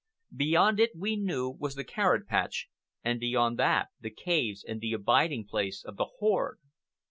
Beyond it, we knew, was the carrot patch, and beyond that the caves and the abiding place of the horde.